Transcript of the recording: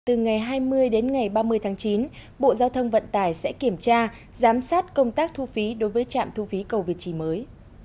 từ ngày hai mươi đến ngày ba mươi tháng chín bộ giao thông vận tải sẽ kiểm tra giám sát công tác thu phí đối với trạm thu phí cầu việt trì mới